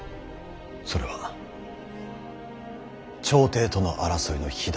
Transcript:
それは朝廷との争いの火種となる。